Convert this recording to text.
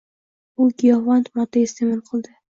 U giyohvand modda isteʼmol qildi